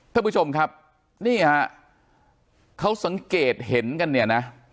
ท่านผู้ชมครับนี่ฮะเขาสังเกตเห็นกันเนี่ยนะ